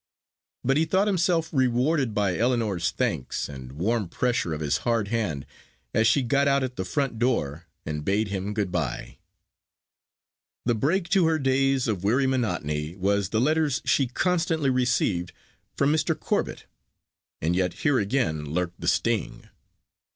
But he thought himself rewarded by Ellinor's thanks, and warm pressure of his hard hand as she got out at the front door, and bade him good by. The break to her days of weary monotony was the letters she constantly received from Mr. Corbet. And yet here again lurked the sting.